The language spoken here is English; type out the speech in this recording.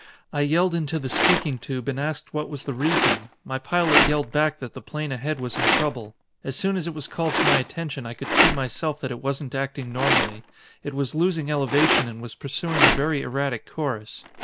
I yelled into the speaking tube and asked what was the reason. My pilot yelled back that the plane ahead was in trouble. "As soon as it was called to my attention I could see myself that it wasn't acting normally. It was losing elevation and was pursuing a very erratic course.